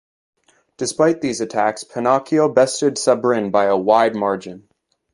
Despite these attacks Pennacchio bested Sabrin by a wide margin.